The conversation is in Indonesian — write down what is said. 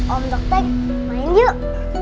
om dokter main yuk